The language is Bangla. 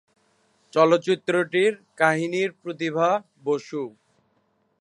চলচ্চিত্রটির কাহিনীকার প্রতিভা বসু।